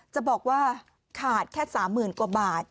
จะบอกว่าขาดแค่๓๐๐๐กว่าบาท